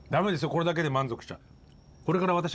これだけで満足しちゃ。